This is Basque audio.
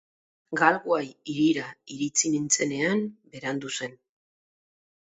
Galway hirira iritsi nintzenean, berandu zen.